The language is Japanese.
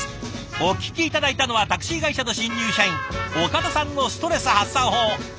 お聞き頂いたのはタクシー会社の新入社員岡田さんのストレス発散法。